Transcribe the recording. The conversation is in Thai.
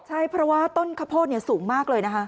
ใช่เพราะว่าต้นข้าวโพดสูงมากเลยนะคะ